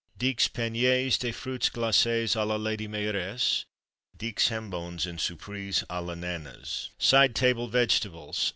_ Dix paniers de Fruits Glacés à la Lady Mayoress. Dix Jambons en Surprise à l'Ananas. _Side Table Vegetables.